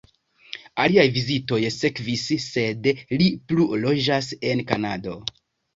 Aliaj vizitoj sekvis, sed li plu loĝas en Kanado.